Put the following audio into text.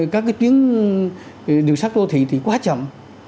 các cái chuyến đường sắt đô thị thì quá chậm